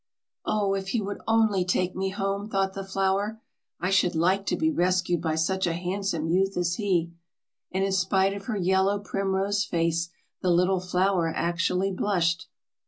"Oh, if he would only take me home!" thought the flower. "I should like to be rescued by such a handsome youth as he." And in spite of her yellow primrose face, the little flower actually blushed.